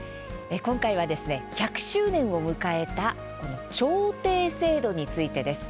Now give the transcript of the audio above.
今回は、１００周年を迎えた調停制度についてです。